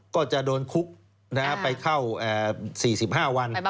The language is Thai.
ก็จะโดนคุกไปเข้า๔๕วัน